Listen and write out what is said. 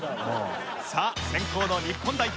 さあ先攻の日本代表。